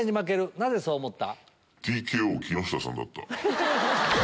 なぜそう思った？